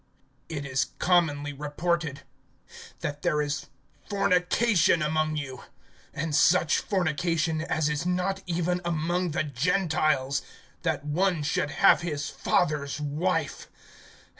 IT is commonly reported that there is fornication among you, and such fornication as is not even among the Gentiles, that one should have his father's wife.